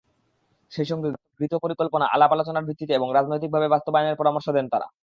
সেই সঙ্গে গৃহীত পরিকল্পনা আলাপ-আলোচনার ভিত্তিতে এবং রাজনৈতিকভাবে বাস্তবায়নের পরামর্শ দেন তাঁরা।